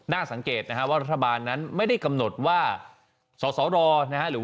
สังเกตนะฮะว่ารัฐบาลนั้นไม่ได้กำหนดว่าสสรนะฮะหรือ